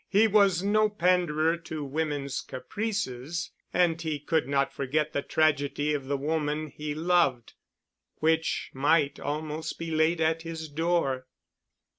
He was no panderer to women's caprices, and he could not forget the tragedy of the woman he loved, which might almost be laid at his door.